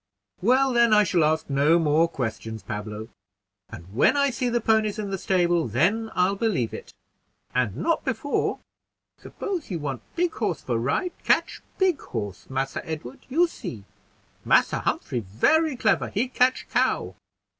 "Well, then, I shall ask no more questions, Pablo; and when I see the ponies in the stable, then I'll believe it, and not before." "Suppose you want big horse for ride, catch big horse, Massa Edward, you see. Massa Humphrey very clever, he catch cow."